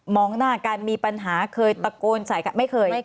หน้ากันมีปัญหาเคยตะโกนใส่กันไม่เคย